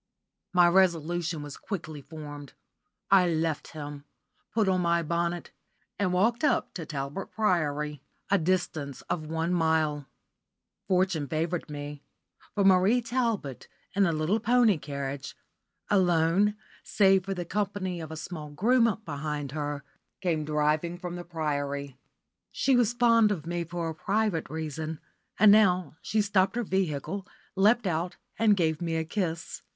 My resolution was quickly formed. I left him, put on my bonnet, and walked up to Talbot Priory, a distance of one mile. Fortune favoured me, for Mabel Talbot, in a little pony carriage, alone save for the company of a small groom behind her, came driving from the Priory. She was fond of me for a private reason, and now she stopped her vehicle, leapt out, and gave me a kiss.